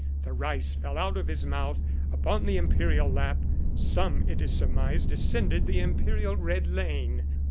The rice fell out of his mouth upon the imperial lap, some, it is surmised, descended the imperial red lane.